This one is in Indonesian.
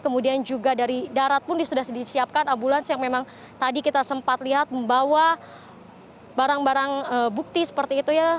kemudian juga dari darat pun sudah disiapkan ambulans yang memang tadi kita sempat lihat membawa barang barang bukti seperti itu ya